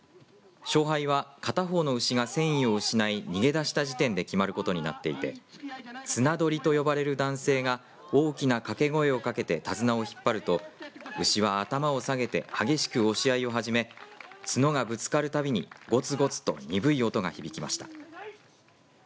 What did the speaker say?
勝敗は片方の牛が戦意を失い逃げ出した時点で決まることになっていて綱取りと呼ばれる男性が大きな掛け声をかけて手綱を引っ張ると牛は頭を下げて激しく押し合いを始め角がぶつかるたびにごつごつと鈍い音が響きました。